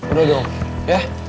udah dong ya